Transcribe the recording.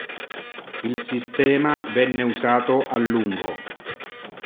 Il sistema venne usato a lungo.